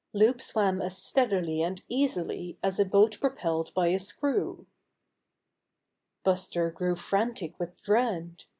Loup swam as steadily and easily as a boat propelled by a screw. Buster grew frantic with dread.